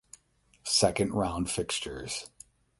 Second round fixtures.